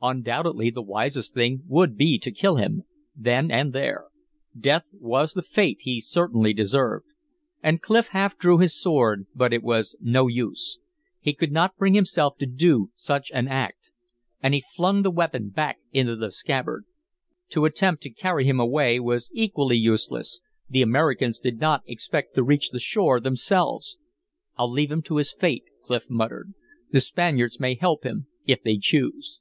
Undoubtedly the wisest thing would be to kill him, then and there; death was the fate he certainly deserved. And Clif half drew his sword; but it was no use. He could not bring himself to do such an act. And he flung the weapon back into the scabbard. To attempt to carry him away was equally useless; the Americans did not expect to reach the shore themselves. "I'll leave him to his fate," Clif muttered. "The Spaniards may help him if they choose."